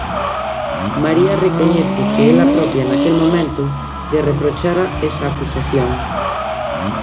María recoñece que ela propia naquel momento lle reprochara esa acusación.